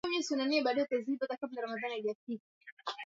mto mrefu ni bora kwa kupiga minyororo